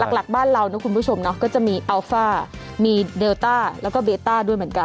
หลักบ้านเรานะคุณผู้ชมเนาะก็จะมีอัลฟ่ามีเดลต้าแล้วก็เบต้าด้วยเหมือนกัน